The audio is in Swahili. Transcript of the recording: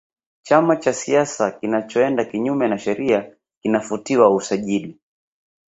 chama cha siasa kinachoenda kinyume na sheria kinafutiwa usajili